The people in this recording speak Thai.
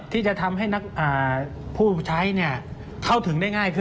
ที่จะทำให้นักผู้ใช้เข้าถึงได้ง่ายขึ้น